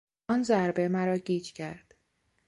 آن ضربه مرا گیج کرد.